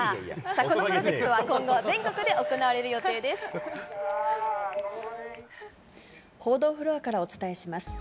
このプロジェクトは今後、全国で報道フロアからお伝えします。